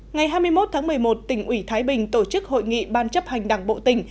ngày hai mươi một tháng một mươi một tỉnh ủy thái bình tổ chức hội nghị ban chấp hành đảng bộ tỉnh